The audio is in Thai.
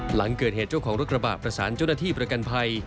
หลังเกิดต้นเหตุของรถกระบะผสานเจ้าหน้าที่ประกันภัย